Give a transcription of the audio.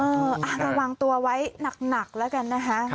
ระวังตัวไว้หนักแล้วกันนะคะ